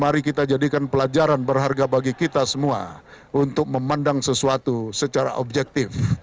mari kita jadikan pelajaran berharga bagi kita semua untuk memandang sesuatu secara objektif